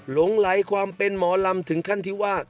หลงไหลความเป็นหมอลำถึงขั้นที่ว่า